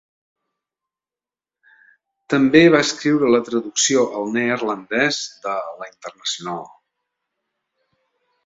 També va escriure la traducció al neerlandès de La Internacional.